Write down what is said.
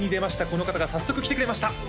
この方が早速来てくれました